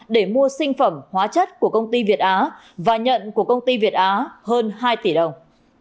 để mua sinh phẩm hóa chất của công ty việt á và nhận của công ty việt á hơn hai tỷ đồng